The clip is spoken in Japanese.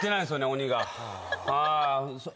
鬼が。